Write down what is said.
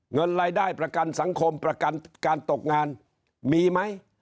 เงินรายได้ประกันสังคมประกันการตกงานมีไหม